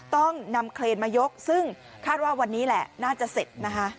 ต้องนำเครนมายกซึ่งคาดว่าวันนี้แหละน่าจะเสร็จนะคะ